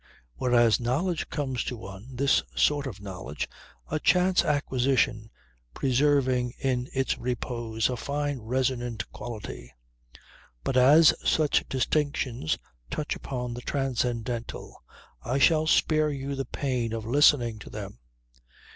Whereas knowledge comes to one, this sort of knowledge, a chance acquisition preserving in its repose a fine resonant quality ... But as such distinctions touch upon the transcendental I shall spare you the pain of listening to them.